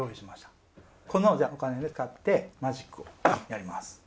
このお金を使ってマジックをやります。